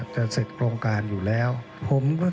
มีความรู้สึกว่า